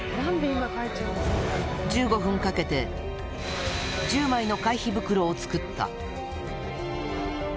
１５分をかけて１０枚の会費袋を作った。